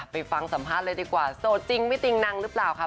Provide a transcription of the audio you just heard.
ฟังสัมภาษณ์เลยดีกว่าโสดจริงไม่ติงนังหรือเปล่าค่ะ